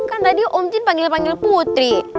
kan tadi om jin panggil panggil putri